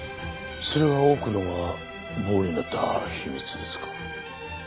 それが奥野が棒になった秘密ですか？